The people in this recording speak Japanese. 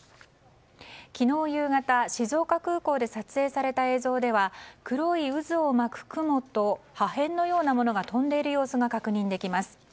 昨日夕方、静岡空港で撮影された映像では黒い渦を巻く雲と破片のようなものが飛んでいる様子が確認できます。